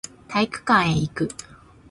体育館へ行く